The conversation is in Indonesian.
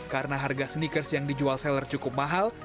karena harga sneakers yang dijual seller cukup mahal